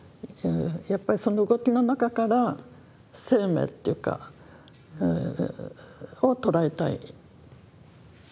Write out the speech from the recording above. やっぱりその動きの中から生命っていうかを捉えたい。